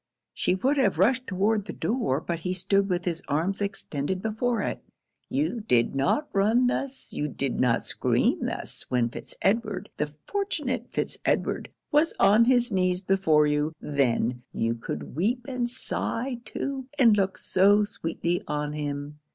She would have rushed towards the door but he stood with his arms extended before it. 'You did not run thus you did not scream thus, when Fitz Edward, the fortunate Fitz Edward, was on his knees before you. Then, you could weep and sigh too, and look so sweetly on him.